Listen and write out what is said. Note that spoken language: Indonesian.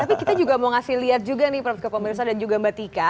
tapi kita juga mau kasih lihat juga nih prof kepomirsa dan juga mbak tika